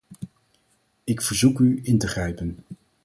Ik verzoek u in te grijpen.